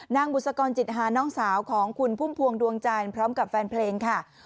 บุษกรจิตหาน้องสาวของคุณพุ่มพวงดวงจันทร์พร้อมกับแฟนเพลงค่ะ